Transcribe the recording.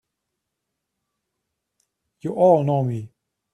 You all know me!